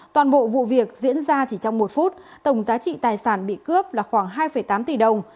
toàn bộ vụ việc diễn ra chỉ trong một phút tổng giá trị tài sản bị cướp là khoảng hai tám tỷ đồng